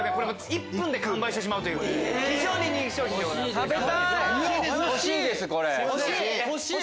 １分で完売してしまうという非常に人気商品でございます。